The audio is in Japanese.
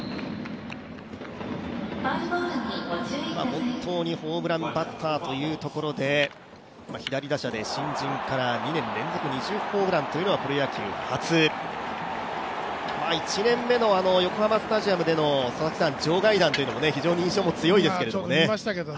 本当にホームランバッターというところで、左打者で新人から２年連続２０ホームランというのはプロ野球初、１年目の横浜スタジアムでの場外弾というのも非常に印象も強いですけどね。